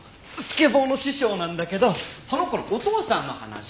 スケボーの師匠なんだけどその子のお父さんの話。